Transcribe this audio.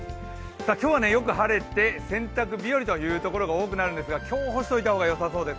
今日はよく晴れて洗濯日和というところが多くなるんですが今日、干しておいた方がよさそうです。